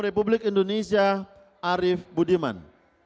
republik indonesia arief budiman